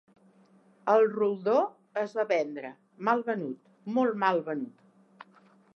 El roldó es va vendre, mal venut, molt mal venut